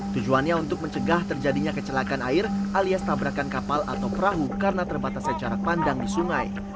tujuannya untuk mencegah terjadinya kecelakaan air alias tabrakan kapal atau perahu karena terbatasnya jarak pandang di sungai